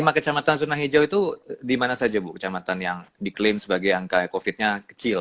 lima kecamatan zona hijau itu di mana saja bu kecamatan yang diklaim sebagai angka covid nya kecil